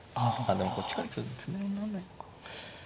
でもこっちから行くと詰めろになんないのか。